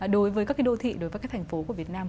đối với các cái đô thị đối với các cái thành phố của việt nam